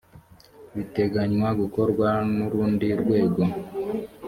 biteganywa gukorwa n urundi rwego